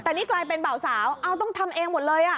แต่นี่กลายเป็นเบาสาวเอาต้องทำเองหมดเลยอ่ะ